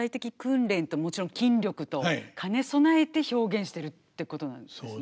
もちろん筋力と兼ね備えて表現してるってことなんですね。